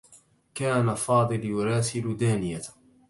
كان فاضل يراسل دانية.